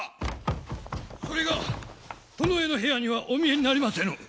それが宿直の部屋にはお見えになりませぬ。